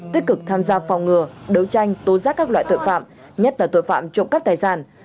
tích cực tham gia phòng ngừa đấu tranh tố giác các loại tội phạm nhất là tội phạm trộm cắp tài sản